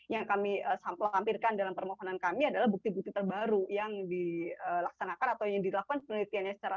yang kami lampirkan dalam permohonan kami adalah bukti bukti terbaru yang dilaksanakan atau yang dilakukan penelitiannya secara